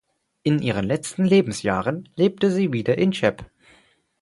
In ihren letzten Lebensjahren lebte sie wieder in Cheb.